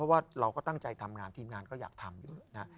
เพราะว่าเราก็ตั้งใจทำงานทีมงานก็อยากทำอยู่นะฮะ